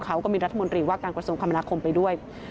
เขาก็มีรัฐมนตรีว่าการกระทรวงคมนาคมไปด้วย